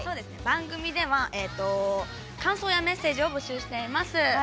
番組ではえと感想やメッセージを募集しています。